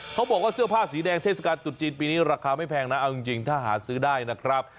เขาบอกว่าเสื้อผ้าสีแดงเทศกาลตุดจีนปีนี้ราคาไม่แพงนะเอาจริงถ้าหาซื้อได้นะครับ